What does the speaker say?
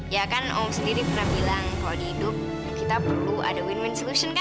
ya kan om sendiri pernah bilang kalau di hidup kita perlu ada win win solution kan